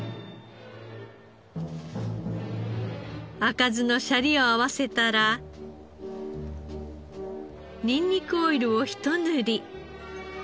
赤酢のシャリを合わせたらニンニクオイルをひと塗り。